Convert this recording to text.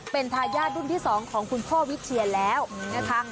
เป็นทายาทรุ่นที่๒ของคุณพ่อวิเชียนแล้วนะคะ